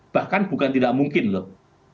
bahkan bukan tidak mungkin loh